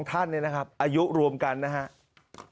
ท่านเนี่ยนะครับอายุรวมกันนะครับ